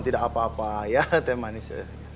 tidak apa apa ya teh manis